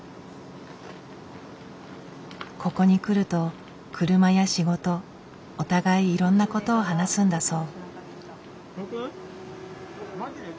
ここに来ると車や仕事お互いいろんなことを話すんだそう。